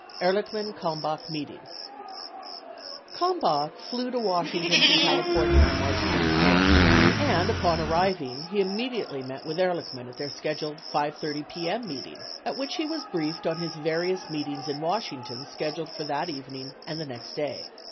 EHRLICHMAN KALMBACH MEETING Kalmbach flew to Washington from California on March 24 and, upon arriving, he immediately met with Ehrlichman at their scheduled 5 :30 p.m. meeting at which he was briefed on his various meetings in Washington scheduled for that evening and the next day.